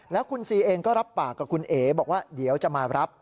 แล้วคุณซีเองก็รับปากกับคุณเอ๋บอกว่าเดี๋ยวจะมารับ